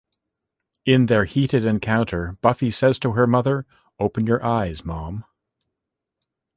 In their heated encounter Buffy says to her mother, Open your eyes, Mom.